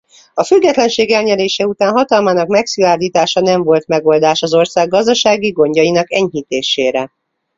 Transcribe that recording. A függetlenség elnyerése után hatalmának megszilárdítása nem volt megoldás az ország gazdasági gondjainak enyhítésére.